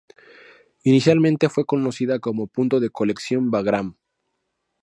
Inicialmente fue conocida como Punto de Colección Bagram.